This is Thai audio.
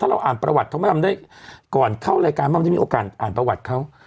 เราอ่านประวัติเขาไม่ทำได้ก่อนเข้ารายการมันจะมีโอกาสอ่านประวัติเขา